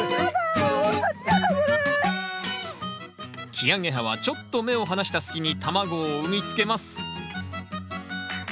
キアゲハはちょっと目を離した隙に卵を産みつけます。